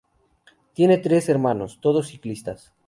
Tiene tres hermanos, todos ciclistas.